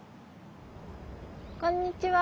こんにちは。